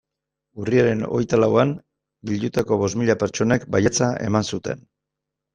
Urriaren hogeita lauan bildutako bost mila pertsonek baietza eman zuten.